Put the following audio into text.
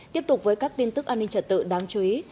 tiếp tục với các tin tức an ninh trật tự đáng chú ý